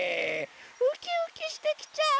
ウキウキしてきちゃう！